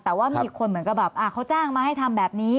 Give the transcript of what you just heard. แต่ว่ามีคนเหมือนกับแบบเขาจ้างมาให้ทำแบบนี้